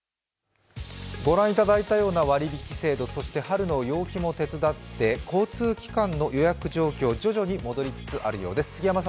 御覧いただいたような割引制度、そして春の陽気も手伝って交通機関の予約状況、徐々に戻りつつあるようです。